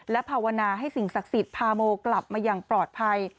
และภาวนาให้สิ่งศักดิ์สิทธิ์พาโมกลับมาอย่างปลอดภัย